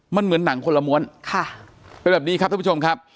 มันเหมือนหนังคนละม้วนค่ะเป็นแบบนี้ครับท่านผู้ชมครับ